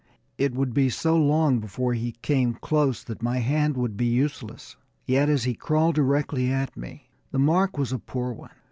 It would be so long before he came close that my hand would be useless. Yet as he crawled directly at me, the mark was a poor one.